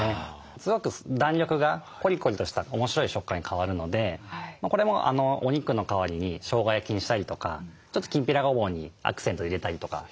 すごく弾力がコリコリとした面白い食感に変わるのでこれもお肉の代わりにしょうが焼きにしたりとかちょっときんぴらごぼうにアクセント入れたりとかしてもおいしいですね。